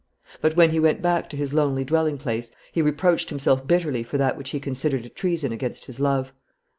But when he went back to his lonely dwelling place, he reproached himself bitterly for that which he considered a treason against his love.